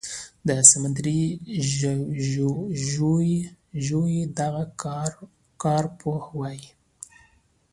د سمندري ژویو دغه کارپوهه وايي